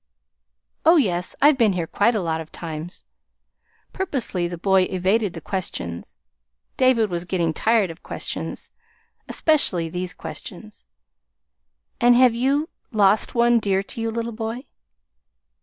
"Oh, yes, I've been here quite a lot of times." Purposely the boy evaded the questions. David was getting tired of questions especially these questions. "And have you lost one dear to you, little boy?"